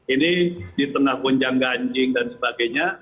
ini di tengah gonjang ganjing dan sebagainya